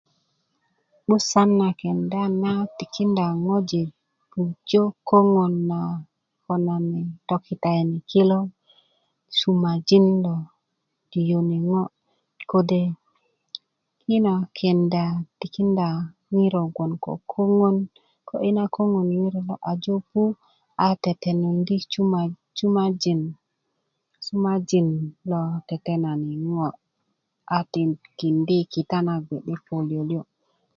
'busan na kenda na tikinda ŋojik pujö koŋön na konani tokitaini kilo sumajin loŋ tiyuni ŋo kode i na kenda tikinda ŋiro bgoŋ kode ko koŋön ŋina koŋön ko ŋiro ajo pu a tetenundi sumajin sumajin lo tetenani ŋo a tikindi kita na gbede poliöliö